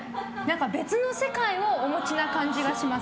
別の世界をお持ちな感じがします。